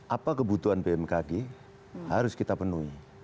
apa kebutuhan bmkg harus kita penuhi